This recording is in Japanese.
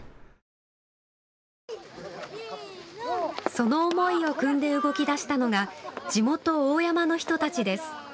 その思いを酌んで動きだしたのが地元、大山の人たちです。